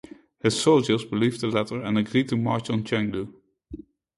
His soldiers believed the letter and agreed to march on Chengdu.